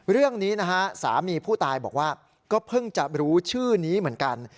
เรื่องนี้นะฮะสามีผู้ตายบอกว่าก็เพิ่งจะรู้ชื่อนี้เหมือนกัน